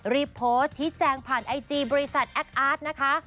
รีบโพสต์ชี้แจงผ่านไอจีบริษัทแอคอาร์ตนะคะ